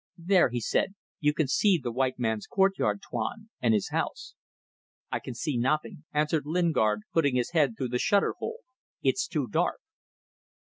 "There," he said, "you can see the white man's courtyard, Tuan, and his house." "I can see nothing," answered Lingard, putting his head through the shutter hole. "It's too dark."